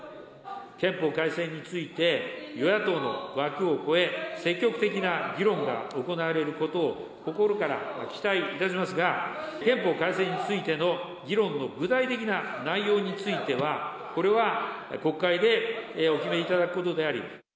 憲法改正について、与野党の枠を超え、積極的な議論が行われることを、心から期待いたしますが、憲法改正についての議論の具体的な内容については、これは国会でお決めいただくことであり。